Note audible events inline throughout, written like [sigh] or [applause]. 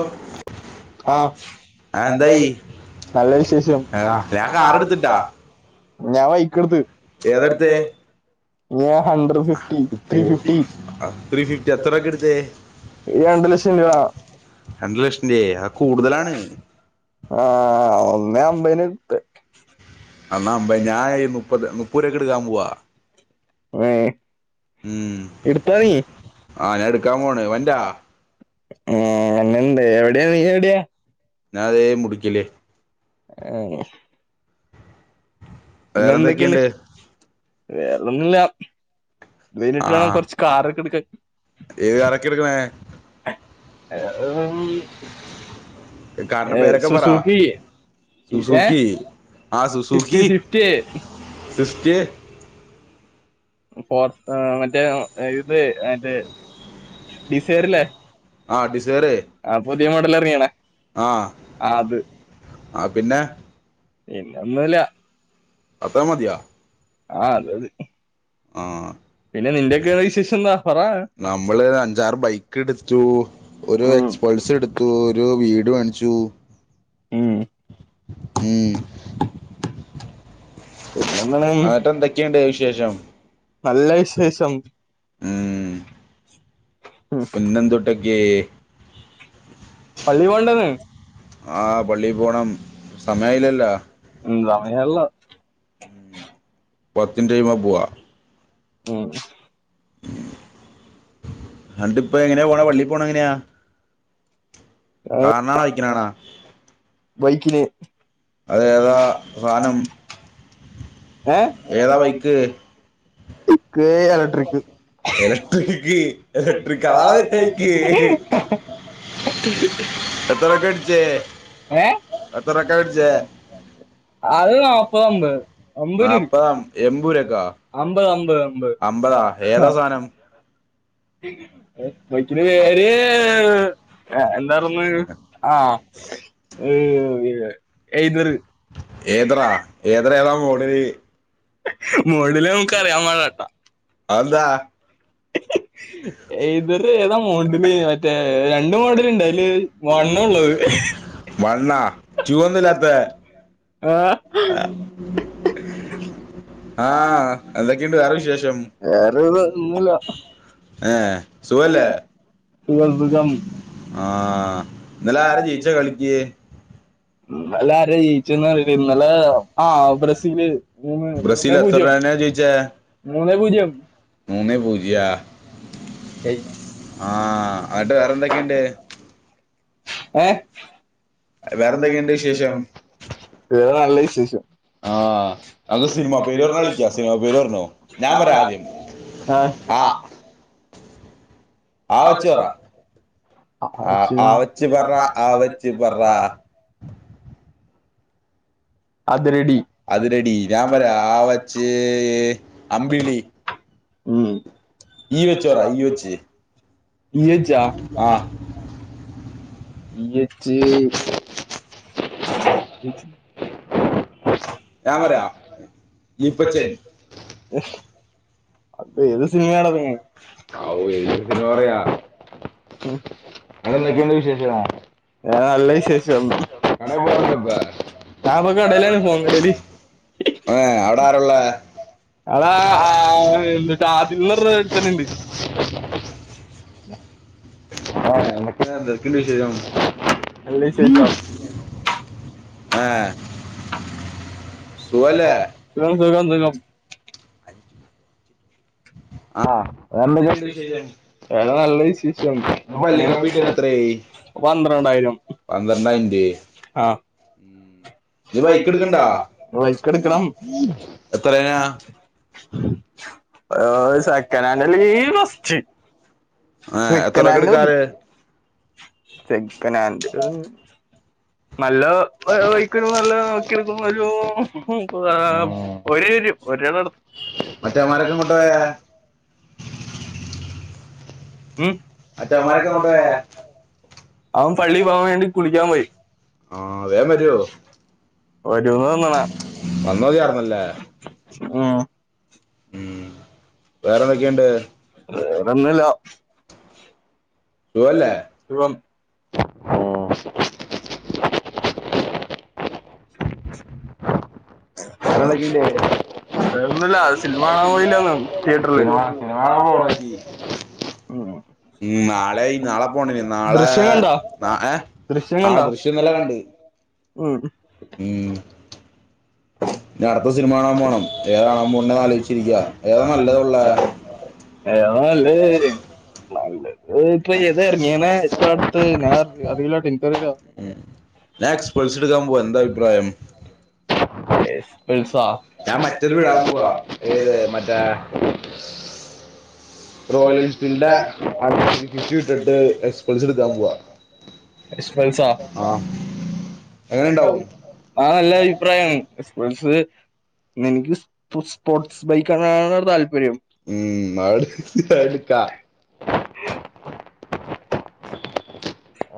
അ ആഹ എന്തായി നല്ല വിശേഷം ആ, ഞാൻ കാർ എടുത്തിട്ടാ ഞാൻ വൈക്കെടുത്ത്ഏതൊ ഇ ത്രീ ഫിഫ്റ്റി അത്രക്കെ എടുത്തേ ഈ രണ്ട് ലക്ഷം രൂപ ഇ ല്ലേ ആ കൂടുതലാണ് ആഹ ഒന്നേ അമ്പന്ട്ട് എന്നാ അമ്പേ ഞാ ഈ മുപ്പത് മുപ്പൂരക്ക് ഇട്ക്കാൻ പോവാ ഏ ഉം ഇട്ത്തൊ നീ ആ ഞാൻ എടുക്കാൻ പോണ് വണ്ടാ ഏ എങ്ങനണ്ട് എ [unintelligible] നീ എവിട്യാ ഞാൻ അതേ മുടിക്കില് ഏഹ് പിന്നെ വേറെന്തെക്കെണ്ട് എന്തൊക്കെയുണ്ട് വേറൊന്നുല്ല ഇത് കഴിഞ്ഞിട്ട് ആ വേണം കുറച്ചേ കാർ ഓക്കേ ഇടുക്കാൻ ഏത് കാറൊക്കെ എടുക്കണേ ഏമ് കാറിൻ്റെ പേരൊക്കെ പറ ഏഹ് സുസൂഖി ആ fifty Suzuki Swift Suzuki four ഏഹ് മറ്റേ ആ ഇത് മറ്റേ ഡിസയറില്ലേ ആ ഡിസയർ ആ പുതിയ മോഡൽ അറങ്ങിയാണ് ആ ആ പിന്നെ പിന്നെ ഒന്നുല്ല അത്ര മതിയോ ആഹ് അത് മതി ആ പിന്നെ നിന്റെയക്കെ വിശേഷന്താ പറ നമ്മളൊരഞ്ചാറ് ബൈക്കെടുത്തു ഒരു ഉം എക്സ്പൾസ് എടുത്തു ഒരു വീട് വാ ച്ചു ഉം മ് പിന്നെന്താണ് ആന്നീട് എന്തൊക്കെയുണ്ട് വിശേഷം നല്ല വിശേഷം മ് ഉം പിന്നെന്തുട്ടക്കെ പള്ളി പോണ്ടന്ന് ആ പള്ളീ പോണം സമയായിലല്ലോ ഉം സമയായില്ല പത്തിൻറ്റയുമ്പോ പോവാ മ് അത് ഇപ്പങ്ങനെ പോണെ പള്ളി പോണ ങ്ങനെയാ കാർനാണ് ബൈക്കിനാണ ബൈക്കിന് സാധനം [inaudible] ഏതാ ബൈക്ക് ബിക്ക് എലക്ട്രിക് എലക്ട്രിക്ക് എലക്ട്രിക് അതാണ് നിന്റ ബൈക്ക് എത്ര രൂപക്ക് വെടിച്ചേ ഏ എത്ര രൂപക വെടിച്ചേ അത് നപ്പത് അമ്പത് അമ്പത് രൂപ നാല്പ്പതാം എമ്പൂരൊക്കൊ അമ്പത് അമ്പത് അമ്പത് അമ്പതാ ഏതാ സാനം ബൈക്കിന്റ പേര് എ എന്താരുന്നെ ആ എ ഈതർ ഏതഡാ ഏതഡ ഏതാ മോഡലെ മോഡല് നമക്ക് അറിയാപാടില്ലട്ട അതെന്താ [inaudible] മോഡല് മറ്റേ രണ്ട് മോഡലുണ്ട് അതില് വണ്ണ ഉള്ളത് വണ്ണാ റ്റു എന്താ ഇല്ലാത്ത ആഹ് ആ ആഹ് എന്തൊക്കെണ്ട് വേറെ വിശേഷം വേറെ ഒന്നുല്ല ഏഹ് സുഖല്ലേ സുഖ സുഖം ആഹ് ഇന്നലെ ആരാ ജയിച്ചേ കളിക്ക് മം ഹലാൻ [unintelligible] ജയിച്ചേന്ന് അറിയില്ല ഇന്നലെ ആഹ് ബ്രസീല് മൂന്ന് ബ്രസീൽ മൂന്നേ എത്ര പൂജ്യം [unintelligible] മൂ ന്നെ പൂജ്യം മൂന്നെ പൂജ്യാ ആ [unintelligible] ആട്ട് വേറെന്തൊക്കെ ഇണ്ട്? ഏ വേറെന്തെക്കെണ്ട് വിശേഷം വേറെ നല്ല വി [inaudible] ആഹ് നമുക്ക് സിനിമ പേര് പറഞ്ഞാ കളിക്കാ സിനിമ പേര് പറഞ്ഞോ ഞാൻ പറയാം ആദ്യം ആ അ ആ വെച്ച് പറാ ആ ആ വെച്ച് പറ ആ വെച്ച് പറ [unintelligible] ഉം അതിലടി ഞാൻ വരാ ആ വച്ച് അമ്പിളി ഈ വെച്ചോറ ഈ വെച്ച് [unintelligible] ആ ഇ വെച്ച് ഞാൻ പറയാ ഇപ്പൊചെ ഏത് സിനിമ യടാ ചങ്ങായി പറയാ അവിടെ [unintelligible] എന്തൊക്കെയുണ്ട് വിശേഷം ഏ നല്ല വിശേഷം [unintelligible] കടയിൽ പോയാ പിന്നെ അവിടെ ആരാള്ളെ ഏ അവിടെ ആരുള്ള [unintelligible] ഒര്ത്തന് ണ്ട് [inaudible] എന്തൊക്കെണ്ട് വിശേഷം നല്ല വിശേഷം ആ സുഖം സുഖം സുഖം ആവേറെ എന്തൊക്കെണ്ട് വിശേഷം വേറെ നല്ല വിശേഷം പള്ളി കമ്പ്യൂട്ടർ എത്രേ പന്ത്രണ്ടായിരം പന്ത്രണ്ടായിരം രൂപ അ നീ ബൈക്ക് എടുക്കണ്ട എടുക്ക്ണ്ടോ ബൈക്കെടുക്കണം എത്രയാ എത്രയ്ന [inaudible] ഓഹ് സെക്കൻഡ് അല്ലെങ്കിൽ ഫസ്റ്റ് ഏ എത്ര സെക്കൻഡ് മതി എടുക്കാറ് സെക്കനാഡ് ഏഹ് [unintelligible] ഒര് ണ്ണംടു മറ്റേമാരൊക്കെ ഇങ്ങോട്ട് പോയേ ഉം മറ്റേമാരൊക്കെ [unintelligible] ഇങ്ങോട്ട് പോയേ അവൻ പള്ളി പോകൻ വേണ്ടി കുളിക്കാൻ പോയി ആഹ് വേഗം വേം വരോ? വരുവോ വരോന്ന വന്നോതിയാർന്നല്ലേ തോന്ന്ണ് ഉം ഉം വേറെന്തൊക്കെണ്ട്? വേറെന്നുല്ല സുഖം ഉം വേറെ എന്തൊക്കെണ്ട്? എന്നുല്ല സിൽമ കാണാൻ പോയില്ലന്നേ തിയേറ്ററില് സിനിമ സിനിമ കാണാൻ പോണോങ്കി ഉം ഉം നാളെ ഈ നാളെ പോണ്ട്നി നാളെ ദൃശ്യം കണ്ടാ ഏഹ് ദൃശ്യം ആഹ് കണ്ടാ ദൃശ് ഇന്നലെ കണ്ട് ഉം ഉം അടുത്ത സിനിമ കാണാൻ പോകണം. ഏതാ കാണാൻ പോണ്ടേന്ന് ആലോയ്ച്ചിരിക്ക. ഏതാ നല്ലതുള്ളെ ഏതാ നല്ലഹ് രീ നല്ലഹ് ഇപ്പൊ ഇതർങ്ങീണ് ഇപ്പ അടുത്ത് ഞാൻ അറിയില ഇനിക്കറിയില്ല ഞാൻ എക്സ് പൾസ്ടുക്കാൻ പോവാ. എന്താ അഭിപ്രായം എക്സ്പെൽസാ ഞാൻ മറ്റൊരു വിടാൻ പോവാ ഏത് മറ്റേ റോയൽ എൻഫീൽഡിന്റെ ഫിഫ്റ്റി ഇട്ടിട്ട് എക്സ്പൾസ് എടുക്കാൻ പോവാ [unintelligible] എക്സ് പൾസ് ആ ആഹ് എങ്ങനെ ഉണ്ടാവും ആ നല്ല അഭിപ്രായാണ് എക്സ് പൾസ് എനിക്ക് സ്പോർട്സ് ബൈക്ക്ണ താല്പര്യ ഉം [unintelligible] ട്ക്ക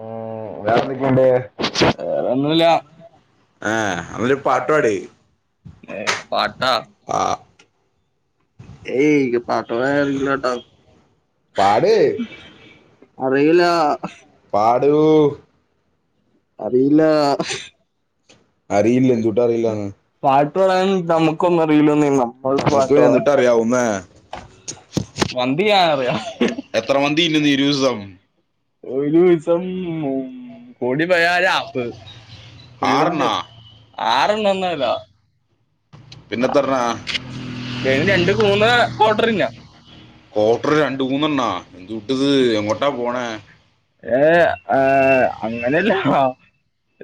ഉം വേറെന്തൊക്കെയുണ്ട് വേറെ ഒന്നുംല്ല ആഹ് അവര് പാട്ടുപാട് ഏ പാട്ടാ ആ ഏയ് പാട്ടോ അറിയില്ലട്ടോ പാട് അറിയില്ല പാടു അറിയില്ലാ അറിയില്ല എന്തുട്ടറിയില്ലന്ന് പാട്ട് പാടാൻ നമുക്കൊന്നും അറിയില്ലെന്നേ നമ്മൾക്ക് നിനക്ക് പാട്ട് പിന്നെ പാടാൻ എന്തുട്ടാ അറി [unintelligible] വന്തി ചെയ്യാനറിയ നിരൂസം ഒരു ദിസം മ്മ് കൂടി പോയാല് ആപ്പ് ആറെണ്ണ പുള്ളിണ്ട് ആറ [unintelligible] ന്നല്ലോ പിന്നെത്തർണാ രണ്ട് മൂന്ന് ഓർഡറിങ്ങ ക്വാട്ടറ് രണ്ടുന്നെണ്ണാ എന്റുട്ടിത് എങ്ങോട്ടാ പോണെ ഏ ഏ അങ്ങനെയല്ല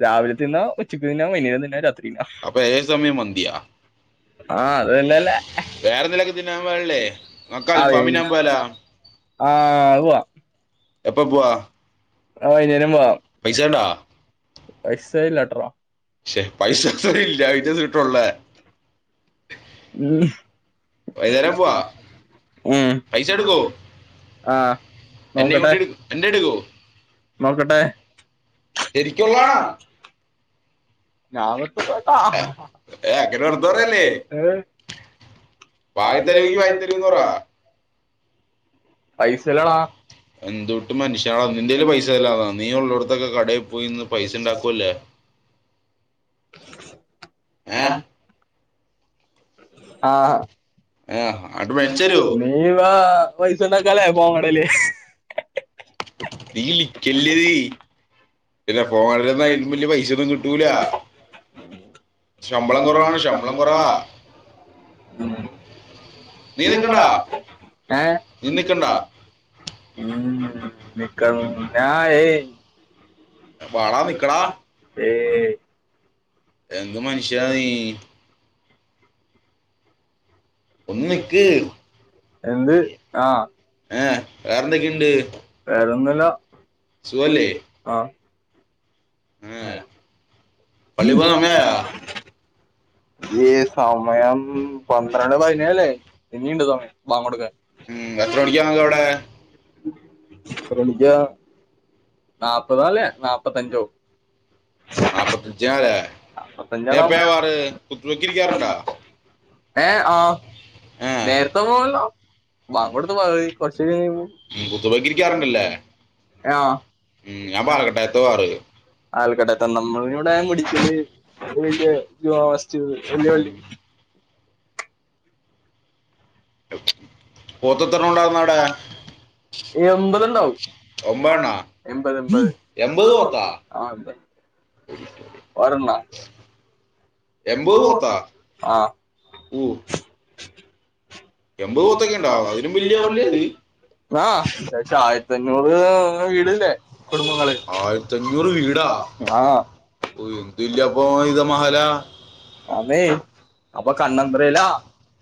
രാവിലെ തിന്ന ഉച്ചക്ക് തിന്നാ വൈനെരം തിന്നാ രാത്രിന്നാ അപ്പൊ ഏ സമയം മന്തിയാ ആഹ് അതന്നല്ലേ വേറെന്തേലൊക്കെ തിന്നാൻ പാടില്ലേ നിങ്ങക്ക് അൽഫാം അറിയണ്ട തിന്നാൻ പോയാലോ ആഹ് ആഹുവ എപ്പ പോവാ ആ വൈന്നേരം പൈസ ഇണ്ടാ പോവ്വാ എക്സൈട്ടറോ പക്ഷെ പൈസസ ഇല്ല അതിന്റെതെ കിട്ടുള്ളേ മ്മ് വൈന്നേരം പോവാ പൈസ എടുക്കോ ആ നോക്കട്ടെ എന്നേയുംകൂ എന്നെ എടുക്കോ നോക്കട്ടെ ശരിക്കുള്ളാണാ [unintelligible] ഏ [unintelligible] അങ്ങനെ വെറുതെ ഏ വാകത്തരുങ്കി വാങ്ങിതരുന്ന് പറ പൈസലട എന്തുട്ട് മനുഷ്യനാട നീ നിന്റെൽ പൈസ അല്ലാതാ നീ ഉള്ളടത്തൊക്കെ കടയിൽ പോയിന്ന് പൈസ ഉണ്ടാക്കുവല്ലേ ഏ ആ ഏ ആ അങ്ങോട്ട് മേടിച്ചോ നീ വ പൈസണ്ടാക്കുവല്ലേ ഫോണിൽ നീലിക്കെല്ലതി ഇല്ല [unintelligible] അയിലും വല്യ പൈസ ഒന്നും കിട്ടൂല ശമ്പളം കുറവാണ് ശമ്പളം കുറവ [unintelligible] ഏ [unintelligible] നീ നിക്കണ്ട ഉ മ്മ് നിക്ക ഞായ വാടാ നിക്കടാ ഏ എന്ത് മനുഷ്യ നീ ഒന്നിക്ക് എന്ത് ആഹ് വേറെന്തൊക്കെയുണ്ട് വേറെന്താ സുഖല്ലേ ആഹ് ഏ ആഹ അ പള്ളി പോകാൻ സമയായ [unintelligible] ഈ സമയം പന്ത്രണ്ട് പതിനേയല്ലേ ഇന്നീണ്ട് സമയം ബാങ്ങോടക്ക ഉം എത്ര മണിക്കാവാങ്ക വിടെ ത്രാണിക്ക നാപ്പതാ അല്ലേ നാപ്പത്തഞ്ചോ നാപത്തഞ്ച്നാലേ നാപ്പത്തഞ്ചാണോ [unintelligible] കുത്ബെ ക്കിരിക്കാറുണ്ടോ ഏഹ ആ നേരത്തെ പോവല്ലോ ബാങ്ങോട്ത് കൊടുത്ത് പോ കൊറച്ച കഴുയ്മ്പോ കുത്തുവെക്കിരിക്കാറുണ്ടല്ലേ [inaudible] ആഹ ഉം [unintelligible] എത്തവാറ് ആൽക്കട്ടത്ത നമ്മളടെഞൻ കുടിച്ചത് [unintelligible] എല്ലി ഉം. വള്ളി പോത്തർത്തന ഉണ്ടാവുന്ന ട, എമ്പത് ണ്ടാവും എമ്പേണ്ണ എമ്പത് എമ്പത് എൺപത് എമ്പത് പോത്താ പോത്ത വരണ്ണ എൺപത് എമ്പത് പോത്ത പോത്താ ആഹ.. ഊ മ് എൺപത് എമ്പത് പോത്തൊക്കെ ഉണ്ടോ പൊത്തോ അതിലും വലിയ ക്കേണ്ട പള്ളി അത് [unintelligible] ആഹ് ദേശ ആയിരത്തിണ്ഞ്ഞൂറ് വീടില്ലെ കുടുംബങ്ങള്ട ആയിരത്തഞ്ഞൂറ് ആഹ ഇല്ലപ്പൊ ഇത മഹലാ അന്നേ അപ്പൊ കണ്ണന്ന്തത്രല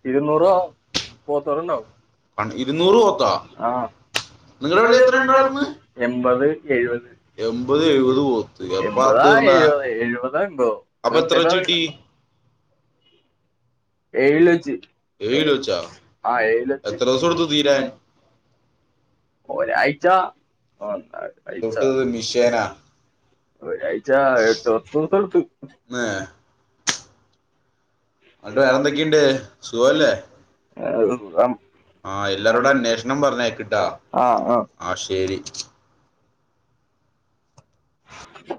ഇരുന്നൂറോ പോത്തോ ളോണ്ടാവും കണ- ഇരുന്നൂറ് പോത്താ പോത്ത ആ നിങ്ങളുടെ പള്ളി എത്ര ഉണ്ടായിരുന്നു എൺപത് എഴുപത് എൺപത് എഴുപത് പോത്ത് എപ്പറത്ത് എൺപതാ തീർന്ന എഴുപത് എഴുപ താ എംബതോ അപ്പൊ എത്ര വെച്ച് കിട്ടി [unintelligible] ഏഴിലോച്ച് ഏഴ് കിലോ വെച്ചാ ആ എഴിലോ ച്ച് എത്ര ദിവസം എടുത്തു തീരാൻ ഒരാഴ്ച ഒ [unintelligible] ഴച തൊട്ടത് മിഷേനാ ഒരാഴ്ച എട്ട് പത്തസട്ത്ത് ഏ എന്നിട്ട് ന്നട്ട് വേറെ ന്തൊക്കെ വേറെന്തൊക്കെയുണ്ട് ണ്ട് സുഖല്ലേ ആ സുഗാണ് ആ എല്ലാരോടും എല്ലാരടും അന്വേഷണം അന്വേഷണപറഞ്ഞേക്ക് പറഞ്ഞേക്ക്ട്ടാ ട്ടാ ആ ആ എലി [unintelligible]